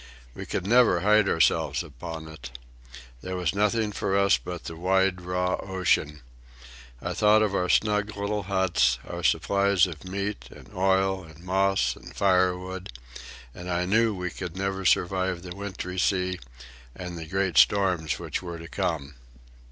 We could never hide ourselves upon it. There was nothing for us but the wide raw ocean. I thought of our snug little huts, our supplies of meat and oil and moss and firewood, and I knew that we could never survive the wintry sea and the great storms which were to come.